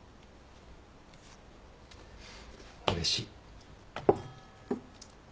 うれしい。